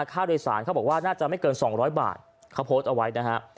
ค่าโดยสารเขาบอกว่าน่าจะไม่เกิน๒๐๐บาทเขาโพสต์เอาไว้นะฮะ